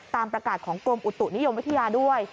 ตามประกาศของกรมอุตุนิยมวิทยาด้วย